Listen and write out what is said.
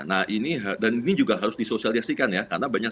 nah ini dan ini juga harus disosialisasikan ya